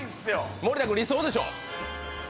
森田君、理想でしょう？